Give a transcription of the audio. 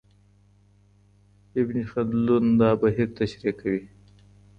ابن خلدون دا بهير تشريح کوي.